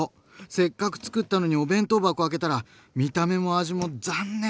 せっかくつくったのにお弁当箱開けたら見た目も味も残念！